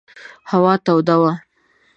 هوا توده وه.